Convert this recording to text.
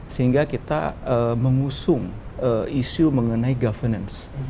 sehingga kita mengusung isu mengenai governance